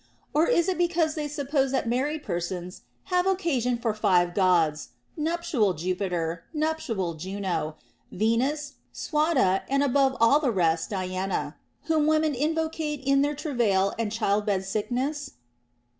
Or is it because they suppose that married persons have occasion for five Gods, Nuptial Jupiter, Nuptial Juno, Venus, Suada, and above all the rest Diana, whom women invocate in their travail and child bed sickness